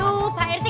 aduh pak rt